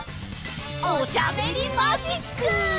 おしゃべりマジック！